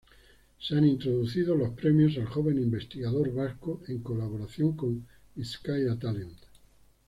Se han introducido los Premios al Joven Investigador Vasco en colaboración con Bizkaia Talent.